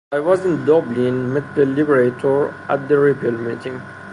I was in Dublin, and met the liberator at a repeal meeting.